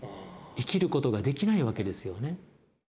生きることができないわけですよね。